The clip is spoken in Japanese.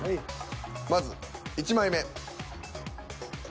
まず１枚目。